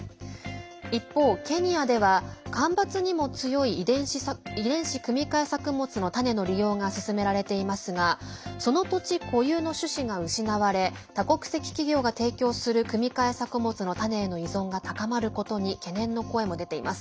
一方、ケニアでは干ばつにも強い遺伝子組み換え作物の種の利用が進められていますがその土地固有の種子が失われ多国籍企業が提供する組み換え作物の種への依存が高まることに懸念の声も出ています。